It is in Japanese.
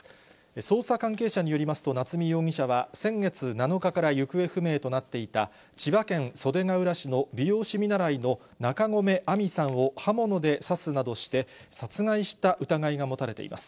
捜査関係者によりますと、夏見容疑者は先月７日から行方不明となっていた千葉県袖ケ浦市の美容師見習いの中込愛美さんを刃物で刺すなどして殺害した疑いが持たれています。